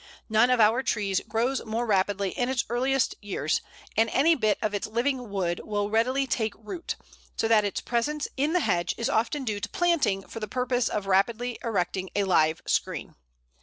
None of our trees grows more rapidly in its earliest years, and any bit of its living wood will readily take root, so that its presence in the hedge is often due to planting for the purpose of rapidly erecting a live screen.